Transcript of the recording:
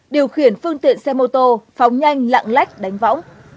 điều khiển phương tiện xe mô tô phóng nhanh lạng lách đánh võng